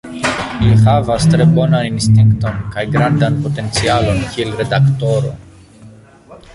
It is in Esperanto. Li havas tre bonan instinkton kaj grandan potencialon kiel redaktoro.